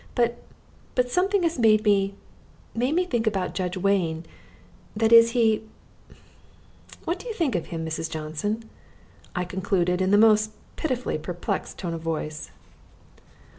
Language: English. But but something has made me made me think about Judge Wade that is he what do you think of him, Mrs. Johnson?" I concluded in the most pitifully perplexed tone of voice.